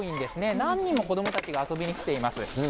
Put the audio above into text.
何人も子どもたちが遊びに来ています。